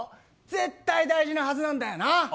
絶対、大事なはずなんだよな。